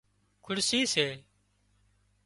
کُڙسي سي